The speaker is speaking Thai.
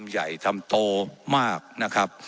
ว่าการกระทรวงบาทไทยนะครับ